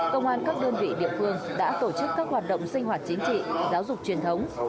công an các đơn vị địa phương đã tổ chức các hoạt động sinh hoạt chính trị giáo dục truyền thống